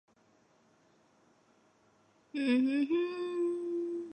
这与其他哺乳动物的鼻孔是同源的。